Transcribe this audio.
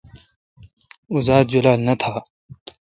اوزات جولال نہ تھان۔